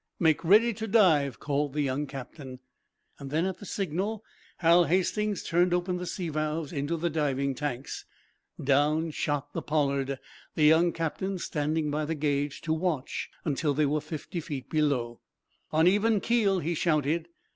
Make ready to dive!" called the young captain. Then, at the signal, Hal Hastings turned open the sea valves into the diving tanks. Down shot the "Pollard," the young captain standing by the gauge to watch until they were fifty feet below. "On even keel!" he shouted.